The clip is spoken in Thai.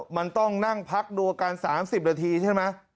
มันต้องนั่งพักดูอาการ๓๐นาทีใช่ไหม